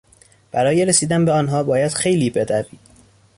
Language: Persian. برای رسیدن به آنها باید خیلی بدوی.